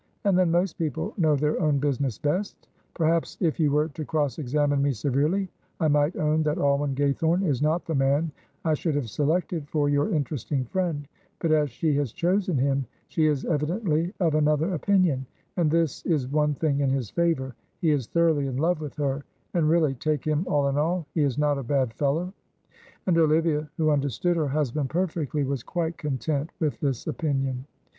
And then most people know their own business best. Perhaps if you were to cross examine me severely I might own that Alwyn Gaythorne is not the man I should have selected for your interesting friend, but as she has chosen him, she is evidently of another opinion, and this is one thing in his favour, he is thoroughly in love with her, and really, take him all in all, he is not a bad fellow," and Olivia, who understood her husband perfectly, was quite content with this opinion.